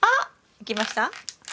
いきました？